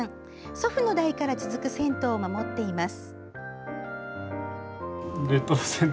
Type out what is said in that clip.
祖父の代から続く銭湯を守っています。